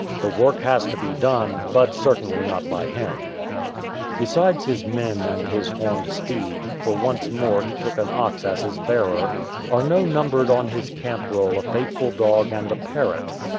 The work has to be done, but certainly not by him."' 163 AN AFRICAN CAMP Besides his men and his horned steed, for once more he took an ox as his bearer, Arnot numbered on his camp roll a faithful dog and a parrot.